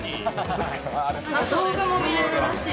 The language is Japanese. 動画も見れるらしいです。